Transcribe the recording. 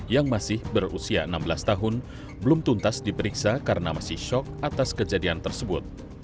yang masih berusia enam belas tahun belum tuntas diperiksa karena masih shock atas kejadian tersebut